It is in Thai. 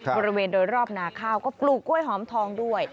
บริเวณโดยรอบนาข้าวก็ปลูกกล้วยหอมทองด้วย